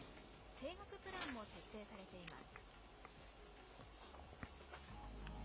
定額プランも設定されています。